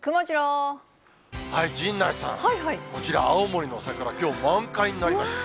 陣内さん、こちら、青森の桜、きょう、満開になりました。